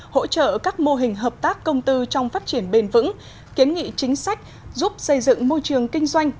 hỗ trợ các mô hình hợp tác công tư trong phát triển bền vững kiến nghị chính sách giúp xây dựng môi trường kinh doanh